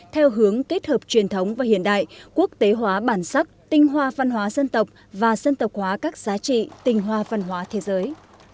theo hướng kết hợp truyền thống và hiện đại quốc tế hóa bản sắc tinh hoa văn hóa dân tộc và dân tộc hóa các giá trị tinh hoa văn hóa thế giới